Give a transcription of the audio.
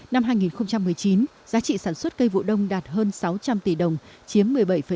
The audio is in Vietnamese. năm hai nghìn một mươi chín giá trị sản xuất cây vụ đông đạt hơn sáu trăm linh tỷ đồng chiếm một mươi bảy